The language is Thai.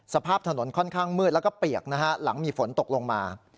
สภาพถนนค่อนข้างมืดแล้วก็เปียกนะฮะหลังมีฝนตกลงมา